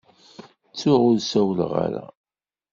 Ttuɣ ur sawleɣ ara.